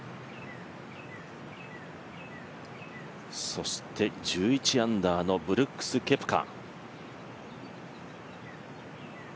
そして、１１アンダーのブルックス・ケプカ。